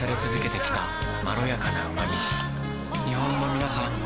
日本のみなさん